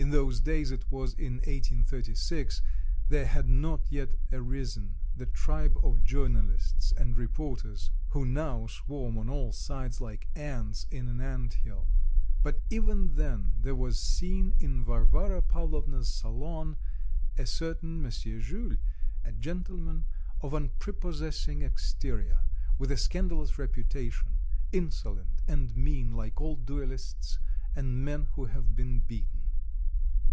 In those days it was in 1836 there had not yet arisen the tribe of journalists and reporters who now swarm on all sides like ants in an ant hill; but even then there was seen in Varvara Pavlovna's salon a certain M. Jules, a gentleman of unprepossessing exterior, with a scandalous reputation, insolent and mean, like all duelists and men who have been beaten.